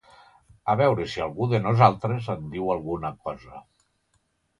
A veure si algú de nosaltres en diu alguna cosa.